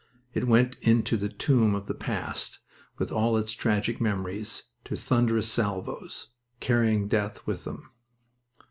It went into the tomb of the past, with all its tragic memories, to thunderous salvos, carrying death with them.